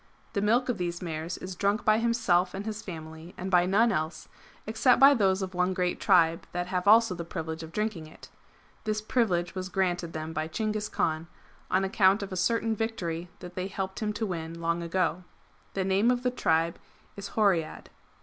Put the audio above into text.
The milk of these mares is drunk by himself and his family, and by none else, except by those of one great tribe that have also the privilege of drinking it. This privilege was granted them by Chinghis Kaan, on account of a certain victory that they helped him to win lone a,eo. The name of the tribe is Horiad.'